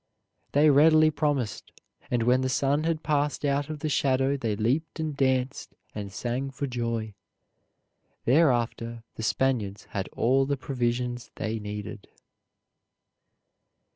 They readily promised, and when the sun had passed out of the shadow they leaped and danced and sang for joy. Thereafter the Spaniards had all the provisions they needed.